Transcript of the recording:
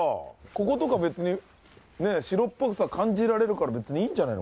こことか城っぽさ感じられるから別にいいんじゃないの？